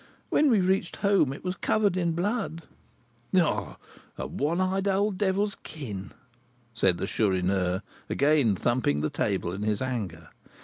When we reached home it was covered with blood." "A one eyed old devil's kin!" said the Chourineur, again thumping the table in his anger.